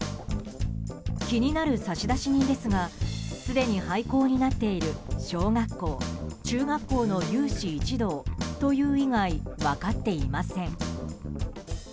気になる差出人ですがすでに廃校になっている小学校、中学校の有志一同という以外分かっていません。